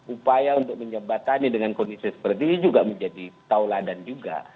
upaya untuk menjembatani dengan kondisi seperti ini juga menjadi tauladan juga